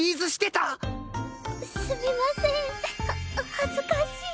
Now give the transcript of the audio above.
恥ずかしい。